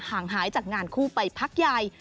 งหายจากงานคู่ไปพักใหญ่